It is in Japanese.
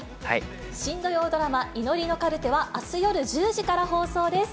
新土曜ドラマ、祈りのカルテは、あす夜１０時から放送です。